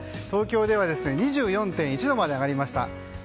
東京では２４．１度まで上がりました。